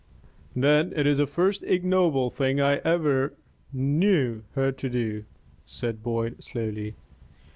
"Then it is the first ignoble thing I ever knew her to do," said Boyd, slowly.